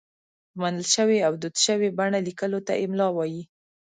په منل شوې او دود شوې بڼه لیکلو ته املاء وايي.